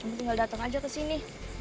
kamu tinggal datang aja kesini